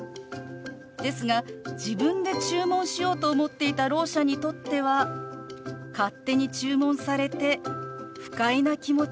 ですが自分で注文しようと思っていたろう者にとっては勝手に注文されて不快な気持ちになりますよね。